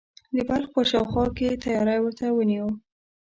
د بلخ په شاوخوا کې یې تیاری ورته ونیوی.